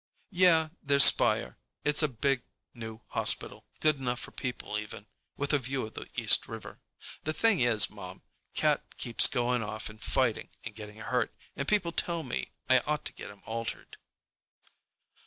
"Yeah, there's Speyer. It's a big, new hospital—good enough for people, even—with a view of the East River. The thing is, Mom, Cat keeps going off and fighting and getting hurt, and people tell me I ought to get him altered."